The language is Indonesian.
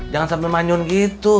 jangan sampe manyun gitu